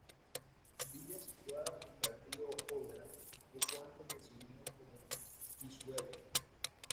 Villa situada junto al río Odra, poco antes de su unión con el Pisuerga.